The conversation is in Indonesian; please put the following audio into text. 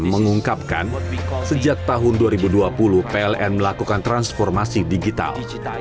mengungkapkan sejak tahun dua ribu dua puluh pln melakukan transformasi digital